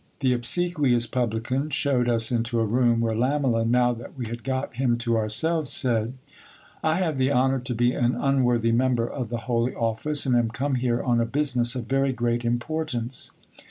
The obsequious publican shewed us into a room, where Lamela, now that we had got him to ourselves, said : I have the honour to be an unworthy member of the holy office, and am come here on a business of very great importance.